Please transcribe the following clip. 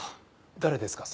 誰ですか？